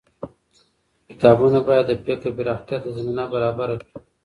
کتابونه بايد د فکر پراختيا ته زمينه برابره کړي.